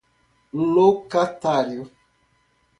locatário